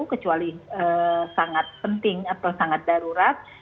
kecuali sangat penting atau sangat darurat